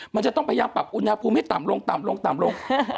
มันจะต้องพยายามปรับอุณหภูมิให้ต่ำลง